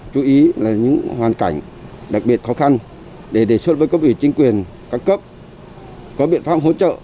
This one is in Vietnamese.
chú ý là những hoàn cảnh đặc biệt khó khăn để đề xuất với cấp ủy chính quyền các cấp có biện pháp hỗ trợ